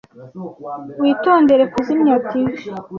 Witondere kuzimya TV.